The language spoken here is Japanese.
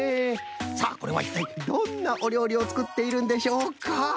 さあこれはいったいどんなおりょうりをつくっているんでしょうか？